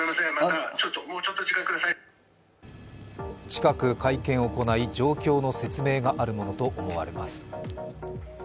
近く、会見を行い状況の説明があるものと思われます。